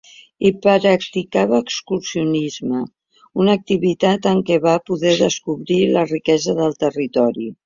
Hi practicava excursionisme, una activitat amb què va poder descobrir la riquesa del territori.